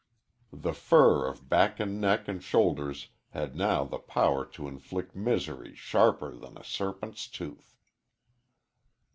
The fur of back and neck and shoulders had now the power to inflict misery sharper than a serpent's tooth.